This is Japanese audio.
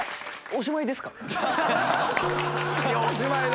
おしまいですか？